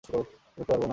দেখতে পারব না!